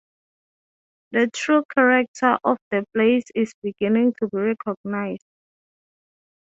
The true character of the place is beginning to be recognized.